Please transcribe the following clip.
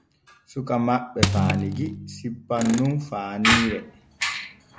Suka maɓɓe faanigi sippan nun faaniire.